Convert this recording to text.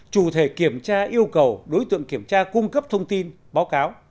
chủ thể kiểm tra yêu cầu đối tượng kiểm tra cung cấp thông tin báo cáo